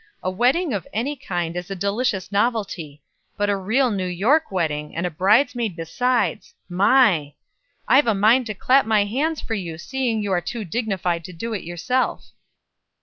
A wedding of any kind is a delicious novelty; but a real New York wedding, and a bridesmaid besides my! I've a mind to clap my hands for you, seeing you are too dignified to do it yourself."